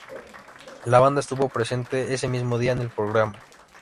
La banda estuvo presente ese mismo día en el programa.